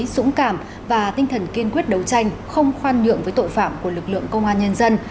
dũng cảm và tinh thần kiên quyết đấu tranh không khoan nhượng với tội phạm của lực lượng công an nhân dân